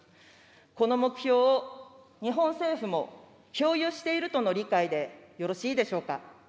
この目標を日本政府も共有しているとの理解でよろしいでしょうか。